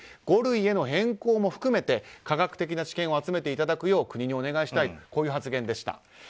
五類への変更を含め科学的な知見を集めていただくよう国にお願いしたという発言でした。